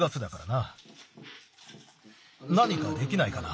なにかできないかな？